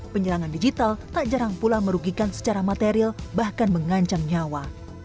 penyerangan digital tak jarang pula merugikan secara material bahkan mengancam nyawa